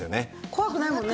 怖くないもんね。